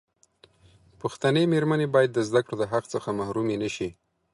پښتنې مېرمنې باید د زدکړو دحق څخه محرومي نشي.